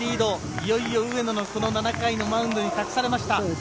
いよいよ上野の７回のマウンドに託されました。